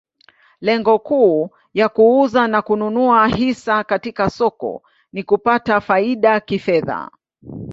Lengo kuu ya kuuza na kununua hisa katika soko ni kupata faida kifedha.